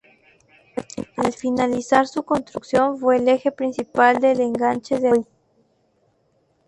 Al finalizar su construcción fue el eje principal del ensanche de Alcoy.